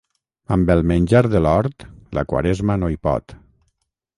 Amb el menjar de l'hort la Quaresma no hi pot.